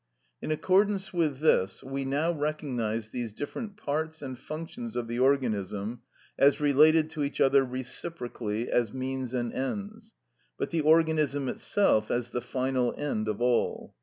In accordance with this, we now recognise these different parts and functions of the organism as related to each other reciprocally as means and end, but the organism itself as the final end of all.